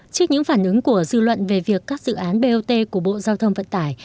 trước những phản ứng của dư luận về việc các dự án bot của bộ giao thông vận tải